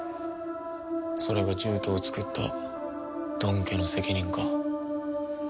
それが獣人を作ったドン家の責任か。